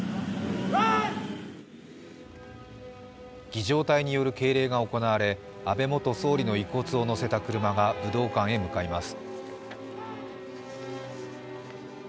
儀じょう隊による敬礼が行われ安倍元総理の遺骨をのせた車が武道館へ向かいます。